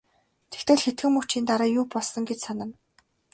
Тэгтэл хэдхэн мөчийн дараа юу болсон гэж санана.